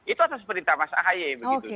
itu atas perintah mas ahaye begitu